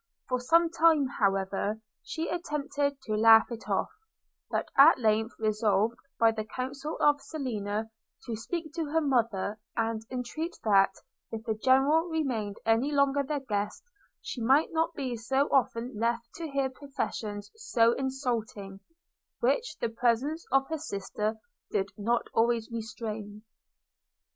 For some time, however, she attempted to laugh it off; but at length resolved, by the counsel of Selina, to speak to her mother, and entreat that, if the General remained any longer their guest, she might not be so often left to hear professions so insulting, which the presence of her sisters did not always restrain.